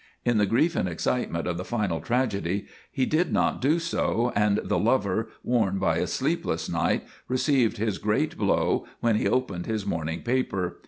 In the grief and excitement of the final tragedy he did not do so, and the lover, worn by a sleepless night, received his great blow when he opened his morning paper.